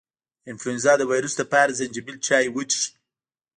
د انفلونزا د ویروس لپاره د زنجبیل چای وڅښئ